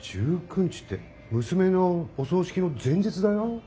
１９日って娘のお葬式の前日だよ？